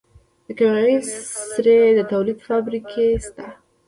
د کیمیاوي سرې د تولید فابریکه شته.